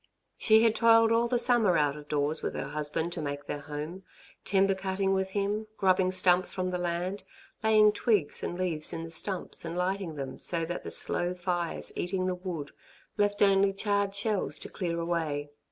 She had toiled all the summer out of doors with her husband to make their home, timber cutting with him, grubbing stumps from the land, laying twigs and leaves in the stumps and lighting them so that the slow fires eating the wood left only charred shells to clear away.